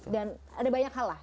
dan ada banyak hal lah